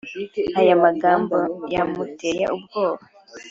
Ayo magambo yamuteye ubwoba